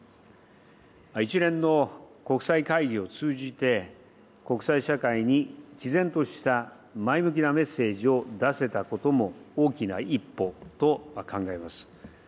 一連の国際会議を通じて、国際社会にきぜんとした前向きなメッセージを出せたことも、大きな一歩と考えます。